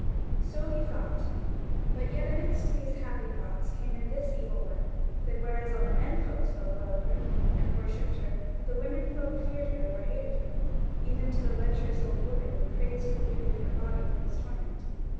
So he thought; but yet amidst these happy thoughts came in this evil one, that whereas all the men folk spoke well of her and worshipped her, the women folk feared her or hated her; even to the lecherous old woman who had praised the beauty of her body for his torment.